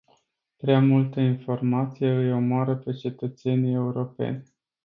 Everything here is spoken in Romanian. Prea multă informație îi omoară pe cetățenii europeni.